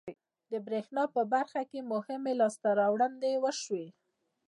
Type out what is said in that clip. د بریښنا په برخه کې مهمې لاسته راوړنې وشوې.